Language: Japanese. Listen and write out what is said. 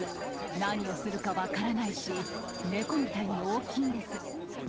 何をするか分からないし、猫みたいに大きいんです。